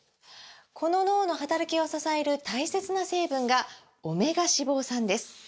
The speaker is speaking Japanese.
この脳の働きを支える大切な成分が「オメガ脂肪酸」です！